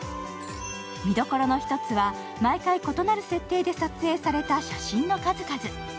見どころの一つは、毎回、異なる設定で撮影された写真の数々。